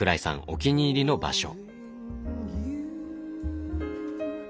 お気に入りの場所。